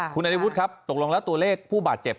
คุณอริวุฒิครับตกลงแล้วตัวเลขผู้บาดเจ็บ